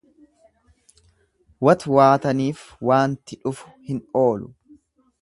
Watwaataniif waanti dhufu hin oolu.